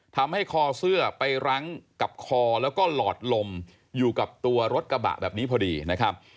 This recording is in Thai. คอเสื้อไปรั้งกับคอแล้วก็หลอดลมอยู่กับตัวรถกระบะแบบนี้พอดีนะครับ